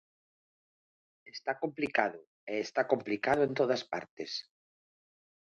Está complicado, e está complicado en todas partes.